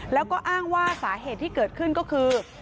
แล้วก็อ้างว่าสาเหตุที่เกิดขึ้นก็คือ